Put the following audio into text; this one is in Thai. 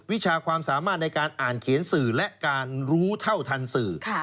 วิชาความสามารถในการอ่านเขียนสื่อและการรู้เท่าทันสื่อ